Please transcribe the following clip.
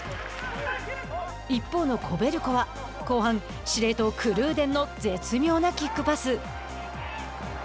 一方のコベルコは後半、司令塔のクルーデンの絶妙なキックパス。